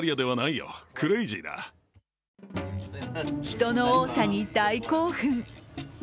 人の多さに大興奮。